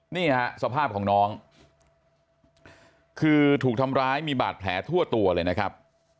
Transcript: นี่ฮะสภาพของน้องคือถูกทำร้ายมีบาดแผลทั่วตัวเลยนะครับ